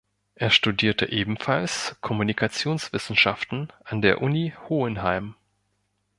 Er studierte ebenfalls Kommunikationswissenschaften an der Uni Hohenheim.